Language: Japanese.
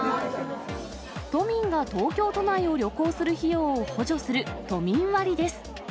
都民が東京都内を旅行する費用を補助する都民割です。